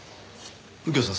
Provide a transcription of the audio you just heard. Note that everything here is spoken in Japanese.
右京さん